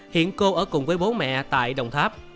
hiện cô ở cùng với bố mẹ tại đồng tháp